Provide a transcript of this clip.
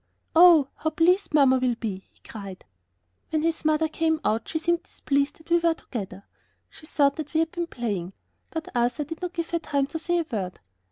"Oh, how pleased mamma will be!" he cried. When his mother came out she seemed displeased that we were together. She thought that we had been playing, but Arthur did not give her time to say a word.